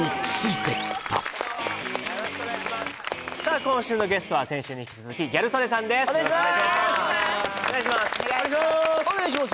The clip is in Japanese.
今週のゲストは先週に引き続きギャル曽根さんです・お願いします！